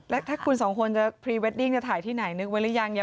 แล้วถ้าคุณสองคนจะพรีเวดดิ้งจะถ่ายที่ไหนนึกไว้หรือยัง